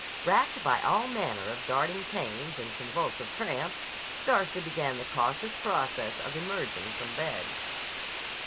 Racked by all manner of darting pains and convulsive cramps, Darcy began the cautious process of emerging from bed.